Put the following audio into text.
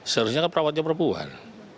seharusnya kan perawatnya perempuan